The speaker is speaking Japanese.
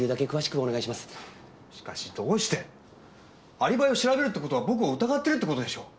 アリバイを調べるって事は僕を疑ってるって事でしょ？